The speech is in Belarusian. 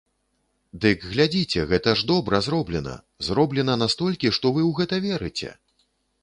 Дык глядзіце, гэта ж добра зроблена, зроблена настолькі, што вы ў гэта верыце!